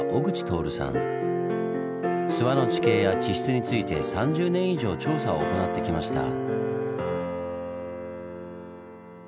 諏訪の地形や地質について３０年以上調査を行ってきました。